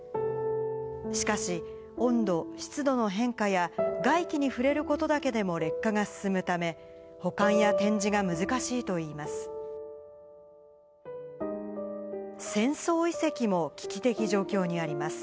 しかし、温度、湿度の変化や、外気に触れることだけでも劣化が進むため、保管や展示が難しいといいます。